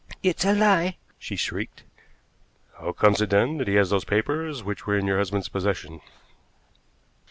"It's a lie!" she shrieked. "How comes it, then, that he has those papers which were in your husband's possession?"